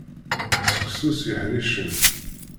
Seksu s yeḥricen.